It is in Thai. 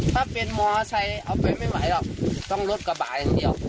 ถ้าเป็นมอไซค์เอาไปไม่ไหวหรอกต้องรถกระบะอย่างเดียว